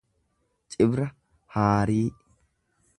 Cibra haarii